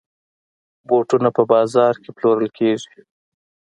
بوټونه په بازاز کې پلورل کېږي.